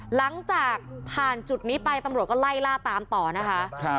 หลังจากผ่านจุดนี้ไปตำรวจก็ไล่ล่าตามต่อนะคะ